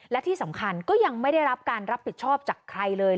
และที่สำคัญก็ยังไม่ได้รับการรับผิดชอบจากใครเลย